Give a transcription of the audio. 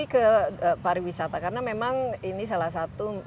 ke pariwisata karena memang ini salah satu